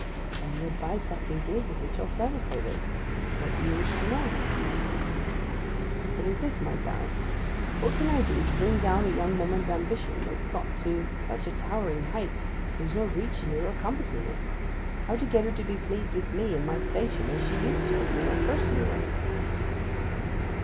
'Any advice I can give is at your service, Hayward. What do you wish to know?' 'It is this, my baron. What can I do to bring down a young woman's ambition that's got to such a towering height there's no reaching it or compassing it: how get her to be pleased with me and my station as she used to be when I first knew her?